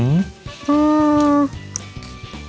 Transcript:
อือ